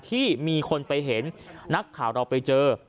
ที่มีคนไปเห็นนักข่าวเราไปเจอ